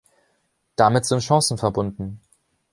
Damit sind Chancen verbunden.